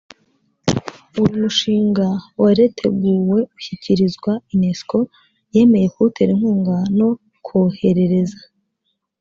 uyu mushinga wareteguwe ushyikirizwa unesco yemeye kuwutera inkunga no kwoherereza